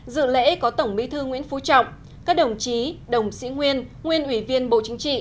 dự lễ có tổng bí thư nguyễn phú trọng các đồng chí đồng sĩ nguyên nguyên ủy viên bộ chính trị